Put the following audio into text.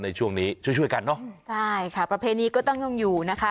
ในช่วงนี้ช่วยช่วยกันเนอะใช่ค่ะประเพณีก็ต้องย่องอยู่นะคะ